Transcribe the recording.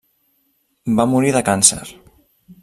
Va morir de càncer.